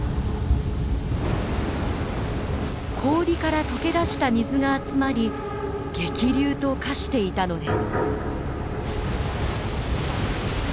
氷からとけ出した水が集まり激流と化していたのです。